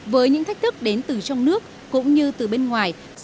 với những thách thức đến từ trong nước cũng như từ bên ngoài